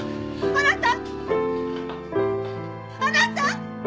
あなた！